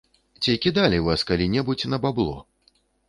Ці кідалі вас калі-небудзь на бабло?